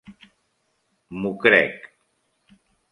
M'ho crec.